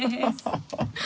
ハハハハ。